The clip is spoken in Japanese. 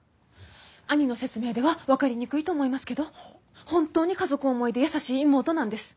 兄の説明では分かりにくいと思いますけど本当に家族思いで優しい妹なんです。